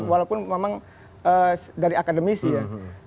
walaupun memang dari akademisi ya